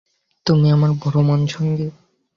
তুমি আমার ভ্রমণসঙ্গী।